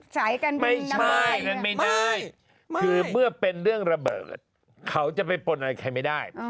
สายการบินไม่ไม่ไม่คือเมื่อเป็นเรื่องระเบิดเขาจะไปปนอะไรใครไม่ได้